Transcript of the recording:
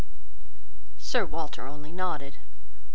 Sir Walter only nodded.